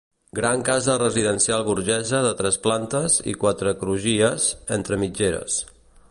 Gran casa residencial burgesa de tres plantes i quatre crugies, entre mitgeres.